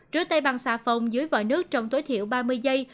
rửa tay bằng xà phòng dưới vòi nước trong tối thiểu ba mươi giây